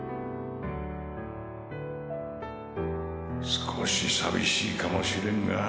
少し寂しいかもしれんが